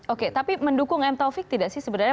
oke tapi mendukung m taufik tidak sih sebenarnya